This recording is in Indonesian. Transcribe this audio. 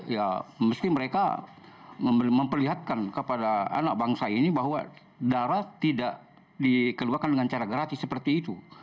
ya mesti mereka memperlihatkan kepada anak bangsa ini bahwa darah tidak dikeluarkan dengan cara gratis seperti itu